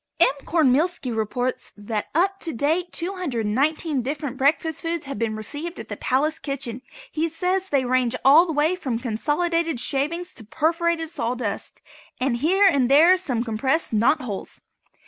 M. Cornmealski reports that up to date 219 different breakfast foods have been received at the palace kitchen. He says they range all the way from consolidated shavings to perforated sawdust, with here and there some compressed knot holes.